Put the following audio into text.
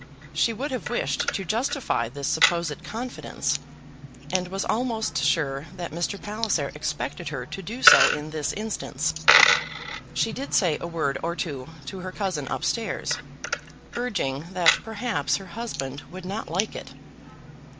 She would have wished to justify this supposed confidence, and was almost sure that Mr. Palliser expected her to do so in this instance. She did say a word or two to her cousin up stairs, urging that perhaps her husband would not like it.